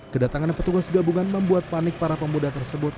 kedatangan petugas gabungan membuat panik para pemuda tersebut